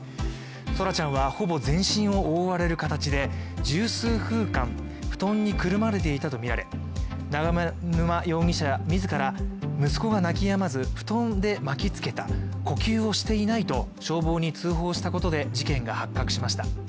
奏良ちゃんはほぼ全身を覆われる形で十数分間、布団にくるまれていたとみられ永沼容疑者自ら息子が泣き止まず布団で巻きつけた、呼吸をしていないと消防に通報したことで事件が発覚しました。